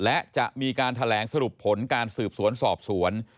และจะมีการแถลงสรุปผลการสืบสวนสอบสวน